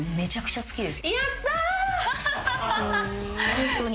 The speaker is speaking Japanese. ホントに。